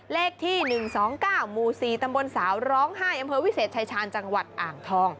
เลขที่๑๒๙หมู่๔ตำบลสาวร้องไห้อำเภอวิเศษชายชาญจังหวัดอ่างทอง